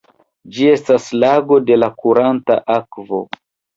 Ĝi estas lago de kuranta akvo.